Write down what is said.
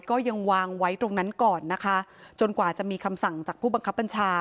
ก็ยังวางไว้ตรงนั้นก่อนนะคะจนกว่าจะมีคำสั่งจากผู้บังคับบัญชา